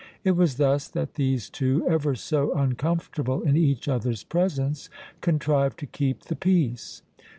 It was thus that these two, ever so uncomfortable in each other's presence, contrived to keep the peace.